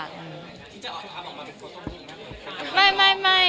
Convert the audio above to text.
ที่จะออกทำออกมาเป็นโฟโต้บุ๊คไหม